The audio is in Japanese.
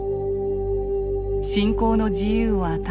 信仰の自由を与え